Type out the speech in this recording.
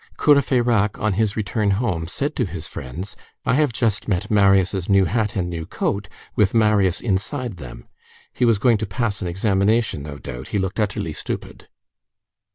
Courfeyrac, on his return home, said to his friends:— "I have just met Marius' new hat and new coat, with Marius inside them. He was going to pass an examination, no doubt. He looked utterly stupid."